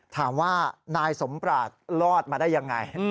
ถามว่านายสมปราศรอดมาได้ยังไง